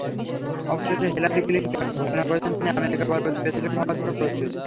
অবশেষে Hillary Clinton ঘোষণা করেছেন, তিনি আমেরিকার পরবর্তী প্রেসিডেন্ট হওয়ার জন্য প্রস্তুত।